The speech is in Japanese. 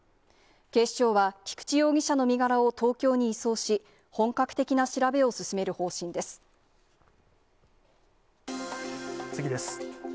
警視庁は、菊池容疑者の身柄を東京に移送し、本格的な調べを進め次です。